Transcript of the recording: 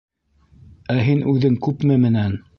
Ә һин үҙең күпме менән?